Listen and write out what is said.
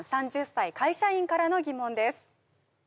３０歳会社員からの疑問です